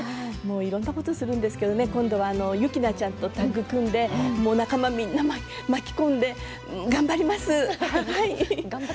いろんなことをするんですけど今度は雪菜ちゃんとタッグを組んで仲間みんなを巻き込んで頑張ります。